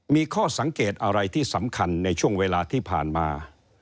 มีข้อสังเกตอะไรที่สำคัญในช่วงเวลาที่ผ่านมา